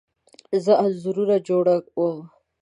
زه انځورونه جوړه وم